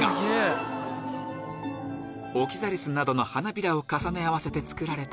オキザリスなどの花びらを重ね合わせて作られた